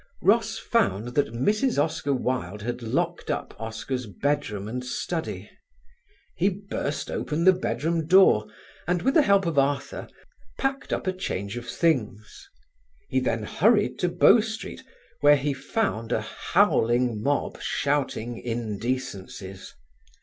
Ross found that Mrs. Oscar Wilde had locked up Oscar's bedroom and study. He burst open the bedroom door and, with the help of Arthur, packed up a change of things. He then hurried to Bow Street, where he found a howling mob shouting indecencies.